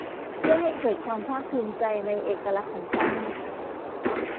เพื่อให้เกิดความภาคภูมิใจในเอกลักษณ์ของชาติ